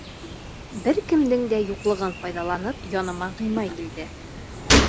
Бер кемдең дә юҡлығын файҙаланып, яныма Ғимай килде.